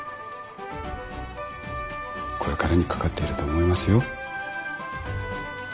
これからにかかっていると思いますよ。